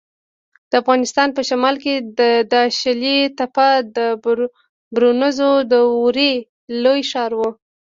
د افغانستان په شمال کې د داشلي تپه د برونزو دورې لوی ښار و